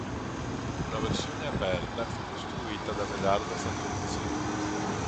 Una versione aperta fu costruita da Medardo Fantuzzi.